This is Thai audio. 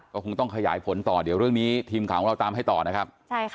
ก็คงต้องขยายผลต่อเดี๋ยวเรื่องนี้ทีมข่าวของเราตามให้ต่อนะครับ